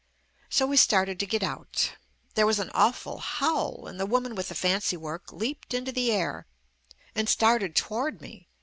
So we started to get out. There was an awful howl and the woman with the fancy work leaped into the air, and started toward me.